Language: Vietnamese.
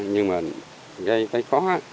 nhưng mà gây cái khó